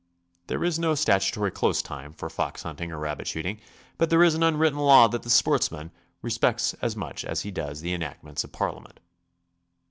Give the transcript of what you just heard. There is no statutory close time for fox hunting or rabbit shooting, but there is an unwritten law that the sportsman respects as much as he does the enactments of Parliament.